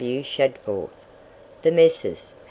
W. Shadforth, the Messrs.